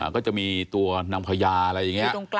ก็จะมีตัวนางพญาอะไรอย่างนี้